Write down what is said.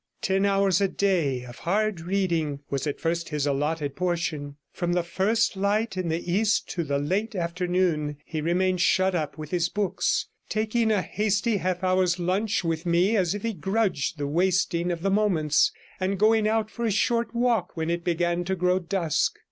Ten hours a day of hard reading was at first his allotted portion; from the first light in the east to the late afternoon he remained shut up with his books, taking a hasty half hour's lunch with me as if he grudged the wasting of the moments, and going out for a short walk when it began to grow dusk.